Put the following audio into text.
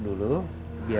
tidak ada apa apa